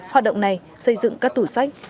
hoạt động này xây dựng các tủ sách